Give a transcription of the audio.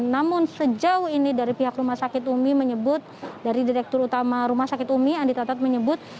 namun sejauh ini dari pihak rumah sakit umi menyebut dari direktur utama rumah sakit umi andi tatat menyebut